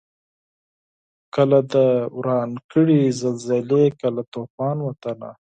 کله دي وران کړي زلزلې کله توپان وطنه